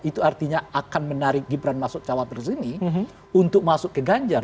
itu artinya akan menarik gibran masukcawa tersebut untuk masuk ke ganjar